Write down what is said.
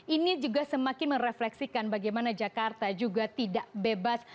ini juga semakin merefleksikan bagaimana jakarta juga tidak bebas